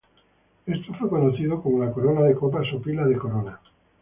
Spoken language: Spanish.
Esto fue conocido como la corona de copas o pila de corona.